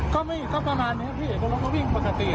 ก็ประมาณนี้ครับพี่รถมัดวิ่งปกติ